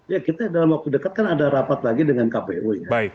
ya kita dalam waktu dekat kan ada rapat lagi dengan kpu ya